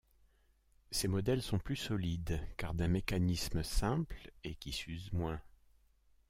Ces modèles sont plus solides car d'un mécanisme simple et qui s'use moins.